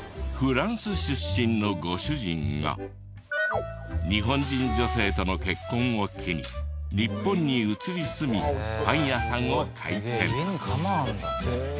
フランス出身のご主人が日本人女性との結婚を機に日本に移り住みパン屋さんを開店。